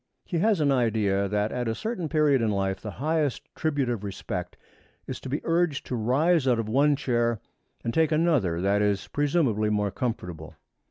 He has an idea that at a certain period in life the highest tribute of respect is to be urged to rise out of one chair and take another that is presumably more comfortable.